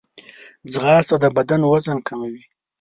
ځغاسته د بدن وزن کموي